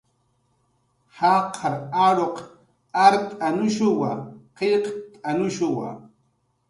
Jaqar aruq art'anushuwa, qillqt'anushuwa